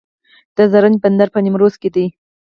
د زرنج بندر په نیمروز کې دی